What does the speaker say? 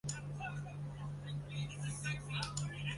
卡斯泰德多阿。